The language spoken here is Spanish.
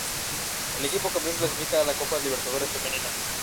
El equipo campeón clasifica a la Copa Libertadores Femenina.